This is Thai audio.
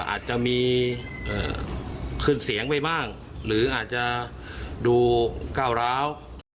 อาจจะมีขึ้นเสียงไปบ้างหรืออาจจะดูก้าวร้าว